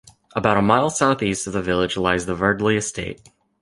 About a mile south east of the village lies the Verdley estate.